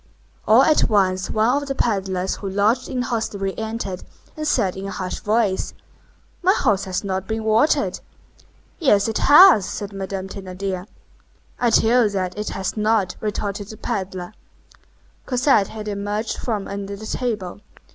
All at once one of the pedlers who lodged in the hostelry entered, and said in a harsh voice:— "My horse has not been watered." "Yes, it has," said Madame Thénardier. "I tell you that it has not," retorted the pedler. Cosette had emerged from under the table.